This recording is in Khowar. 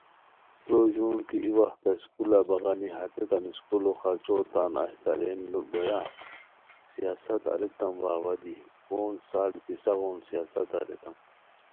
تروئے ژون کی ای وختہ سکولہ بغانی ہتیتان سکولو خرچو تان ایہہ تاریئین بویا؟ سیاست اریتام وا اوا دی، پونج سال پِیسہ غون سیاست اریتام